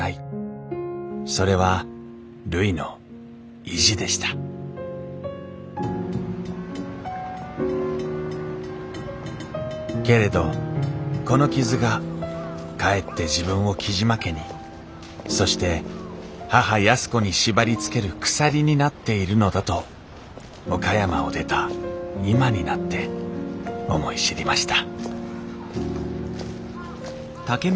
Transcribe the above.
それはるいの意地でしたけれどこの傷がかえって自分を雉真家にそして母安子に縛りつける鎖になっているのだと岡山を出た今になって思い知りました